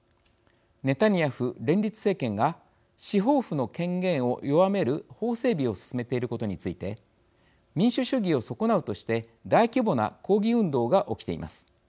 ネタニヤフ連立政権が司法府の権限を弱める法整備を進めていることについて民主主義を損なうとして大規模な抗議運動が起きています。